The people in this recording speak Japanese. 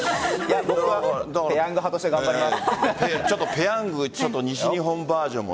ペヤング派として頑張ります。